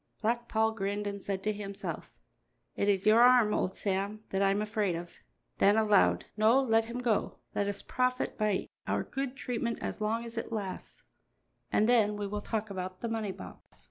Black Paul grinned and said to himself: "It is your arm, old Sam, that I am afraid of." Then aloud: "No, let him go. Let us profit by our good treatment as long as it lasts, and then we will talk about the money box."